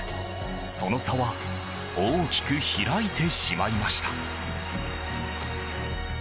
その差は大きく開いてしまいました。